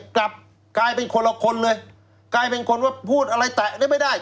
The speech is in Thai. กลับกลายเป็นคนละคนเลยกลายเป็นคนว่าพูดอะไรแตะได้ไม่ได้